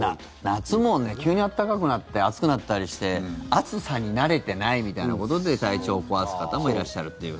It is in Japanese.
夏も急に暖かくなって暑くなったりして暑さに慣れてないみたいなことで体調を壊す方もいらっしゃるっていう。